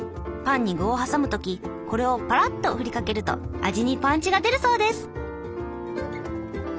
パンに具を挟む時これをパラッとふりかけると味にパンチが出るそうです。